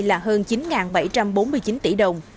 là hơn chín bảy trăm bốn mươi chín tỷ đồng